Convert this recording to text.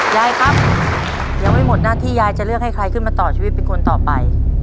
ยายครับยังไม่หมดหน้าที่ยายจะเลือกให้ใครขึ้นมาต่อชีวิตเป็นคนต่อไป